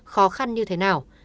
khó khăn như thế nào